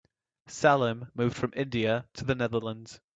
Salim moved from India to the Netherlands.